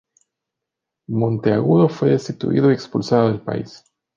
Monteagudo fue destituido y expulsado del país.